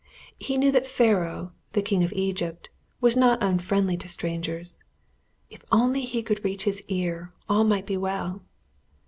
He knew that Pharaoh, the King of Egypt, was not unfriendly to strangers. If only he could reach his ear all might be well.